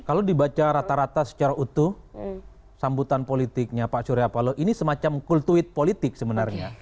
kalau dibaca rata rata secara utuh sambutan politiknya pak surya paloh ini semacam cool tweet politik sebenarnya